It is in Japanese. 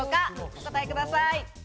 お答えください。